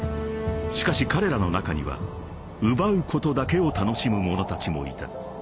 ［しかし彼らの中には奪うことだけを楽しむ者たちもいた］